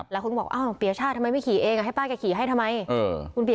แล้วคนบอกปีชาติทำไมไม่ขี่เองให้ปะเกี๋ยวขี่ให้ทำไม